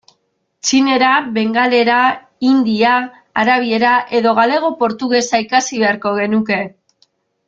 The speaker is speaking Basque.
Txinera, bengalera, hindia, arabiera, edo galego-portugesa ikasi beharko genuke.